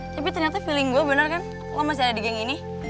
tapi ternyata feeling gue bener kan lo masih ada di geng ini